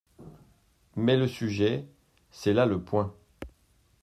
Mais le sujet ? c'est là le point.